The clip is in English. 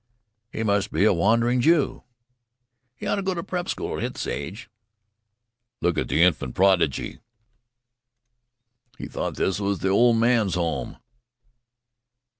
"He must be the wandering Jew!" "He ought to go to prep school at his age!" "Look at the infant prodigy!" "He thought this was the old men's home."